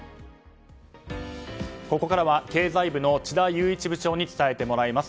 ここからは経済部の智田裕一部長に伝えてもらいます。